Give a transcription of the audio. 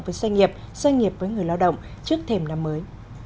với doanh nghiệp doanh nghiệp với người lao động trước thềm năm mới